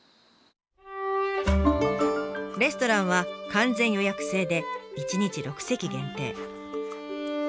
レストランは完全予約制で一日６席限定。